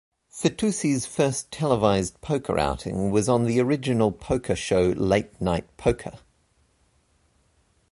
Fitoussi's first televised poker outing was on the original poker show Late Night Poker.